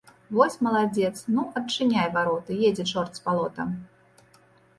Вось маладзец, ну, адчыняй вароты, едзе чорт з балота.